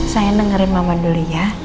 sayang dengerin mama dulu ya